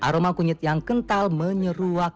aroma kunyit yang kental menyeruak